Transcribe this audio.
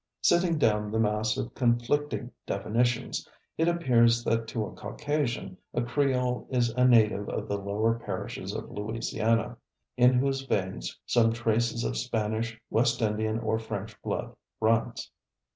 Sifting down the mass of conflicting definitions, it appears that to a Caucasian, a Creole is a native of the lower parishes of Louisiana, in whose veins some traces of Spanish, West Indian or French blood runs.